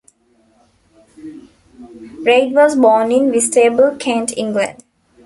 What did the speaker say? Reid was born in Whitstable, Kent, England.